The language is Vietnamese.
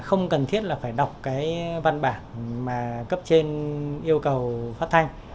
không cần thiết là phải đọc văn bản cấp trên yêu cầu phát thanh